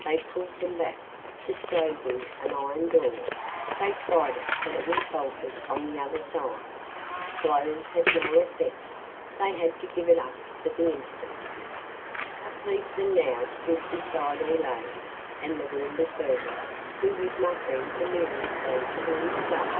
They pulled them back, disclosing an iron door. They tried it but it was bolted on the other side. Blows had no effect. They had to give it up for the instant. A policeman now stood beside Elaine and the wounded burglar who was muttering deliriously to himself.